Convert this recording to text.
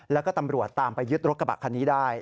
แล้วก็ตำรวจตามไปยึดรถกระบะคันนี้ได้